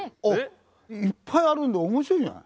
いっぱいあるんで面白いじゃない。